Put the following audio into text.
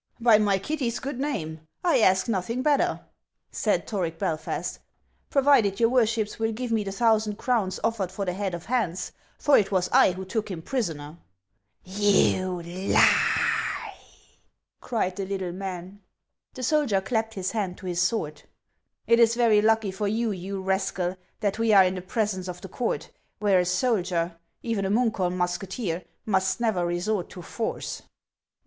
" By my Kitty's good name ' I ask nothing better," said Toric Belfast, " provided your worships will give me the thousand crowns offered for the head of Hans, for it was I who took him prisoner." " You lie !" cried the little man. The soldier clapped his hand to his sword :" It is very lucky for you, you rascal, that we are in the presence of the court, where a soldier, even a Munkholm musketeer, must never resort to force."